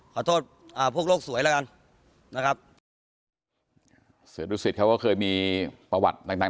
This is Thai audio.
ขอโทษอ่าพวกโลกสวยแล้วกันนะครับเสือดุสิตเขาก็เคยมีประวัติต่างต่าง